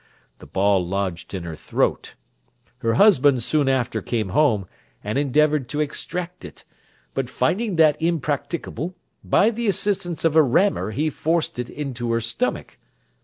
The ball lodged in her throat. Her husband soon after came home, and endeavoured to extract it; but finding that impracticable, by the assistance of a rammer he forced it into her stomach.